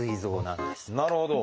なるほど。